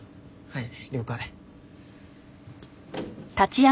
はい。